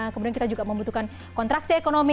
kemudian kita juga membutuhkan kontraksi ekonomi